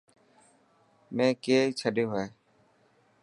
مين ڪئي ڇڏيو هي.